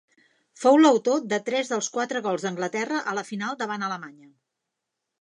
Fou l'autor de tres dels quatre gols d'Anglaterra a la final davant Alemanya.